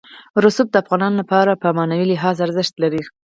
رسوب د افغانانو لپاره په معنوي لحاظ ارزښت لري.